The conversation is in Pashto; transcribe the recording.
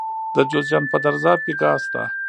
د جوزجان په درزاب کې ګاز شته.